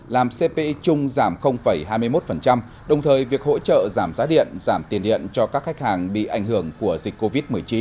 làm cpi chung giảm hai mươi một đồng thời việc hỗ trợ giảm giá điện giảm tiền điện cho các khách hàng bị ảnh hưởng của dịch covid một mươi chín